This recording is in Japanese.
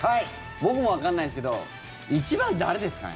僕もわからないですけど１番、誰ですかね？